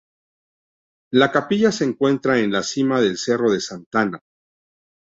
La capilla se encuentra en la cima del cerro Santa Ana.